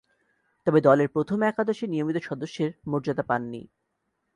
তবে, দলের প্রথম একাদশের নিয়মিত সদস্যের মর্যাদা পাননি।